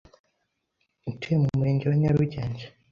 atuye mu murenge wa Nyarugenge,